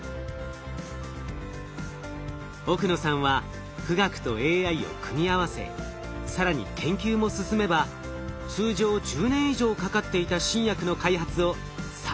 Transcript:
奥野さんは富岳とＡＩを組み合わせ更に研究も進めば通常１０年以上かかっていた新薬の開発を３年ほどに短縮できると考えています。